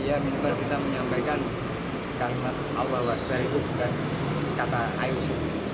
ya minumlah kita menyampaikan kalimat allah wa'ad dari tuhan kata ayus